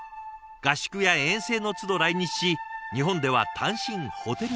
合宿や遠征のつど来日し日本では単身ホテル暮らし。